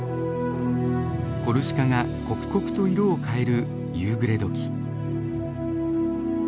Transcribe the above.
コルシカが刻々と色を変える夕暮れ時。